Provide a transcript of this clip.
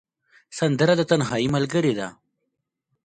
سندره د تنهايي ملګرې ده